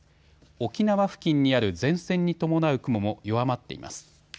沖縄付近にある前線に伴う雲も弱まっています。